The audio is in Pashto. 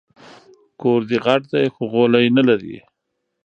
کور دي غټ دی خو غولی نه لري